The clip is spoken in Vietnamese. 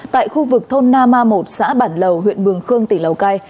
tại khu vực thôn na ma một xã bản lầu huyện mường khương tỉnh lào cai